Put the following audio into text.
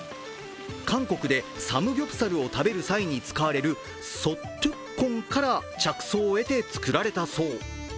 韓国でサムギョプサルを食べる際に使われるソットゥッコンから着想を得て作られたそう。